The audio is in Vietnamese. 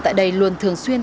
tại đây luôn thường xuyên